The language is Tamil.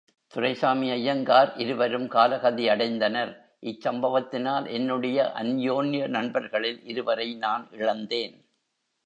துரைசாமி ஐயங்கார் இருவரும் காலகதியடைந்தனர் இச் சம்பவத்தினால் என்னுடைய அன்யோன்ய நண்பர் களில் இருவரை நான் இழந்தேன்.